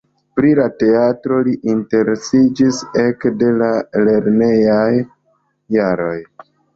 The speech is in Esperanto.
Pri la teatro li interesiĝis ekde la lernejaj jaroj.